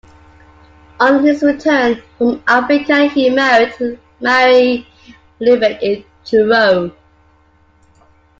On his return from Africa he married Marry Livett in Truro.